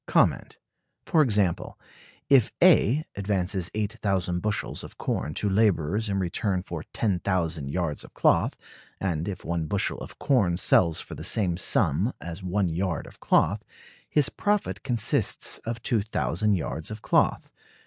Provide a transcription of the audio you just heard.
For example, if A advances 8,000 bushels of corn to laborers in return for 10,000 yards of cloth (and if one bushel of corn sells for the same sum as one yard of cloth), his profit consists of 2,000 yards of cloth.